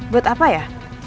buat apa ya